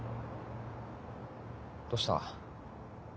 どうした？